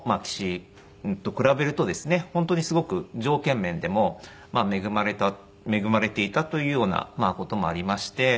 本当にすごく条件面でも恵まれていたというような事もありまして。